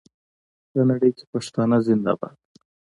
په نړۍ کې پښتانه زنده باد.